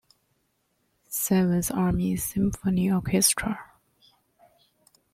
Seventh Army Symphony Orchestra.